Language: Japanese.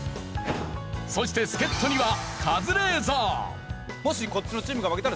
そして助っ人にはカズレーザー。